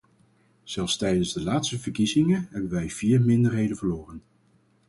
Zelfs tijdens de laatste verkiezingen hebben wij vier minderheden verloren.